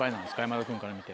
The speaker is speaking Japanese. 山田君から見て。